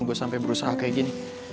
gue sampai berusaha kayak gini